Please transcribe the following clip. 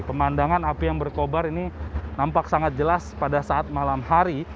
pemandangan api yang berkobar ini nampak sangat jelas pada saat malam hari